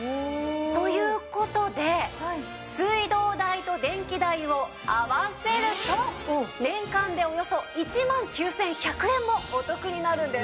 という事で水道代と電気代を合わせると年間でおよそ１万９１００円もお得になるんです。